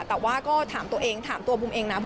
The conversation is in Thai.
แต่ว่าก็ถามตัวเองถามตัวบุมเองนะ